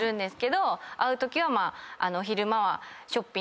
会うときは。